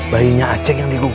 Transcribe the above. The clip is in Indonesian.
bayinya acing yang digugurin kum